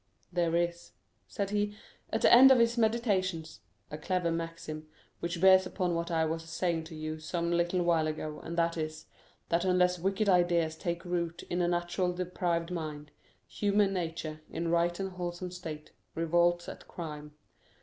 "There is," said he, at the end of his meditations, "a clever maxim, which bears upon what I was saying to you some little while ago, and that is, that unless wicked ideas take root in a naturally depraved mind, human nature, in a right and wholesome state, revolts at crime.